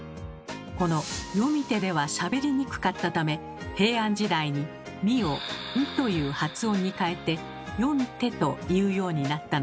この「読みて」ではしゃべりにくかったため平安時代に「み」を「ん」という発音に変えて「読んて」と言うようになったのです。